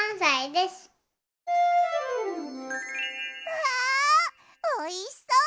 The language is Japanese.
うわおいしそう！